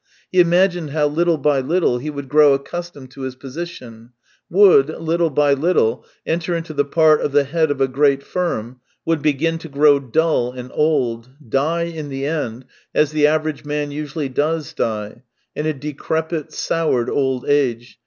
He imagined how, little by little, he would grow accustomed to his position; would, little by little, enter into the part of the head of a great firm; would begin to grow dull and old, die in the end, as the average man usually does die, in a decrepit, soured old age.